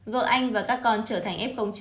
vợ anh và các con trở thành ép công trình